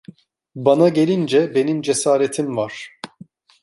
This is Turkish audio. Bana gelince, benim cesaretim var.